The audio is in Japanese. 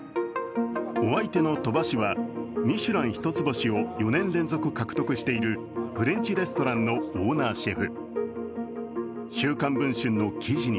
お相手の鳥羽氏はミシュラン一ツ星を４年連続獲得しているフレンチレストランのオーナーシェフ。